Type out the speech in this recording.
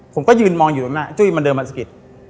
ผมก็ยืนมองอยู่ตรงหน้าจุ้ยมันเดินมาสะกิด